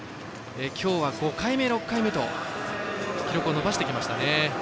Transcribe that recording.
今日は５回目、６回目と記録を伸ばしてきましたね。